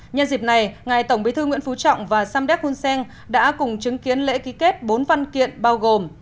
nhân dịp này ngài tổng bí thư nguyễn phú trọng và samdek hun sen đã cùng chứng kiến lễ ký kết bốn văn kiện bao gồm